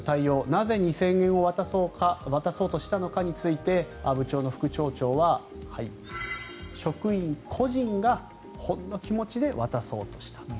なぜ２０００円を渡そうとしたのかについて阿武町の副町長は職員個人がほんの気持ちで渡そうとしたと。